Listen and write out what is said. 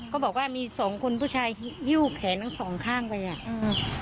เขาบอกว่ามีสองคนผู้ชายฮิ้วแขนทั้งสองข้างไปอ่ะอืม